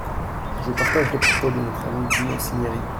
Je partage les propos de notre ami Dino Cinieri.